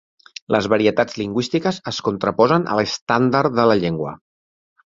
Les varietats lingüístiques es contraposen a l'estàndard de la llengua.